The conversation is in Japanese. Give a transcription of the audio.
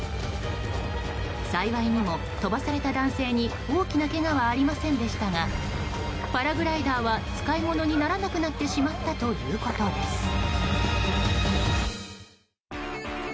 幸いにも飛ばされた男性に大きなけがはありませんでしたがパラグライダーは使い物にならなくなってしまったということです。